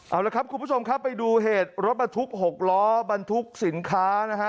เอาละครับคุณผู้ชมครับไปดูเหตุรถบรรทุก๖ล้อบรรทุกสินค้านะฮะ